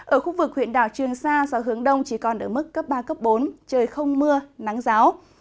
ở khu vực huyện đảo trường sa gió hướng đông chỉ còn ở mức cấp ba bốn trời không mưa nắng giáo